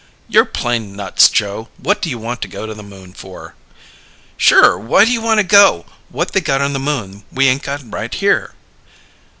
"You're plain nuts, Joe. What do you want to go to the Moon for?" "Sure, why you wanna go? What they got on the Moon we ain't got right here?"